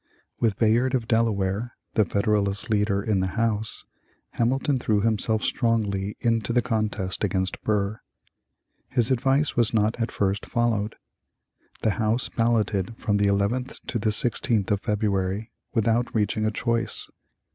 With Bayard of Delaware, the Federalist leader in the House, Hamilton threw himself strongly into the contest against Burr. His advice was not at first followed. The House ballotted from the eleventh to the sixteenth of February without reaching a choice.